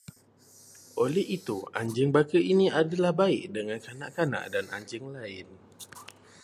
Oleh itu, anjing baka ini adalah baik dengan kanak-kanak dan anjing lain